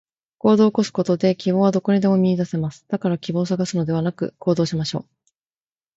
行動を起こすことで、希望はどこにでも見いだせます。だから希望を探すのではなく、行動しましょう。